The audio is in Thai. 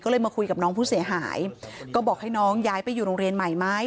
ก็เลยมาคุยกับน้องผู้เสียหายก็บอกให้น้องย้ายไปอยู่โรงเรียนใหม่ไหม